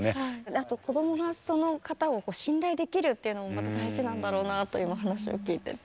あと子どもがその方を信頼できるっていうのもまた大事なんだろうなと今話を聞いてて。